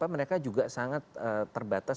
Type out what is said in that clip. mereka juga sangat terbatas